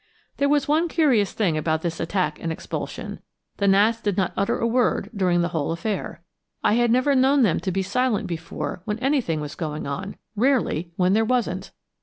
There was one curious thing about this attack and expulsion; the gnats did not utter a word during the whole affair! I had never known them to be silent before when anything was going on rarely when there wasn't.